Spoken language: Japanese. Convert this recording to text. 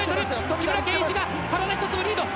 木村敬一が体１つ分リード！